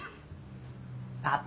パパ？